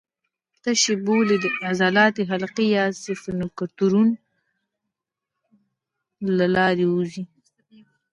تشې بولې د عضلاتي حلقې یا سفینکترونو له لارې ووځي.